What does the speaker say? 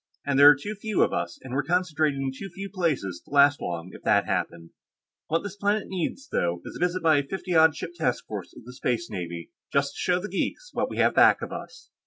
And there are too few of us, and we're concentrated in too few places, to last long if that happened. What this planet needs, though, is a visit by a fifty odd ship task force of the Space Navy, just to show the geeks what we have back of us.